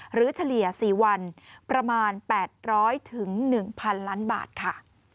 เฉลี่ย๔วันประมาณ๘๐๐๑๐๐ล้านบาทค่ะ